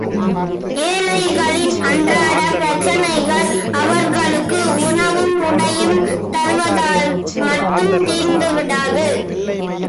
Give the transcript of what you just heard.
ஏழைகளின் அன்றாடப் பிரச்னைகள், அவர்களுக்கு உணவும் உடையும் தருவதால் மட்டும் தீர்ந்து விடாது.